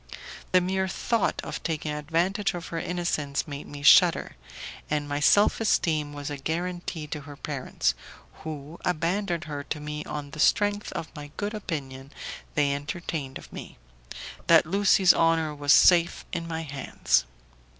The mere thought of taking advantage of her innocence made me shudder, and my self esteem was a guarantee to her parents, who abandoned her to me on the strength of the good opinion they entertained of me, that Lucie's honour was safe in my hands.